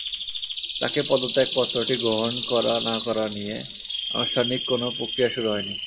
তাঁকে পদত্যাগপত্রটি গ্রহণ করা না-করা নিয়ে আনুষ্ঠানিক কোনো প্রক্রিয়া শুরু হয়নি।